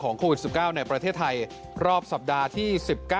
โควิด๑๙ในประเทศไทยรอบสัปดาห์ที่๑๙